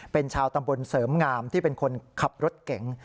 เป็นชาวตำบลเสริมงามที่เป็นคนขับรถเก๋ง